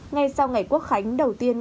ngay sau ngày quốc khánh đầu tiên